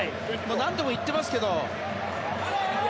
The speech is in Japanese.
何度も言ってますけど。